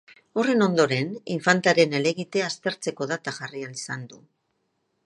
Horren ondoren, infantaren helegitea aztertzeko data jarri ahal izan du.